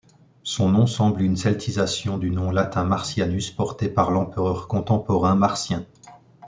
Son nom semble une celtisation du nom latin Marcianus porté par l'empereur contemporain Marcien.